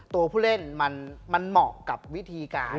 ตัวผู้เล่นมันเหมาะกับวิธีการ